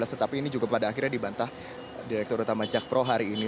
tetapi ini juga pada akhirnya dibantah direktur utama jakpro hari ini